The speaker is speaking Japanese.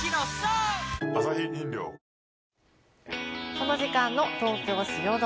この時間の東京・汐留。